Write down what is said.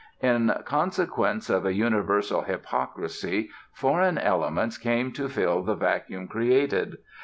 In consequence of a universal hypocrisy foreign elements came to fill the vacuum created.